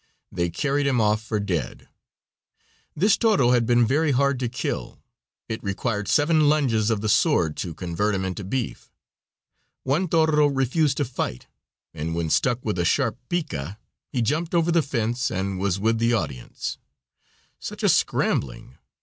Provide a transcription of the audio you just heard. They carried him off for dead. This toro was very hard to kill. It required seven lunges of the sword to convert him into beef. One toro refused to fight, and when stuck with a sharp pica he jumped over the fence and was with the audience. Such a scrambling!